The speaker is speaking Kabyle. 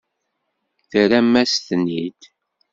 Terram-as-ten-id.